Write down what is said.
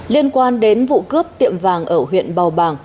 liên quan đến vụ cướp tiệm vàng ở huyện bào bàng